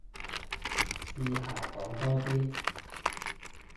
試下講多啲